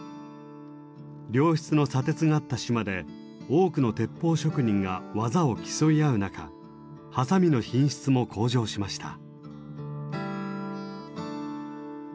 良質の砂鉄があった島で多くの鉄砲職人が技を競い合う中鋏の品質も向上しました。